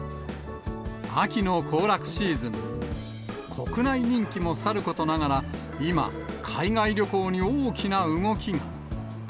秋の行楽シーズン、国内人気もさることながら、今、海外旅行に大きな動きが。